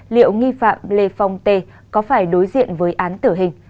liệu nghi phạm lê phong t có phải đối diện với án tử hình